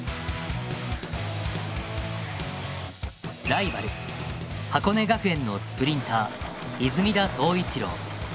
ライバル箱根学園のスプリンター泉田塔一郎。